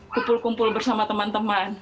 kumpul kumpul bersama teman teman